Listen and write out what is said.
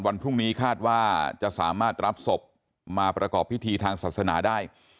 วันพรุ่งนี้คาดว่าจะสามารถรับศพมาประกอบพิธีทางศาสนาได้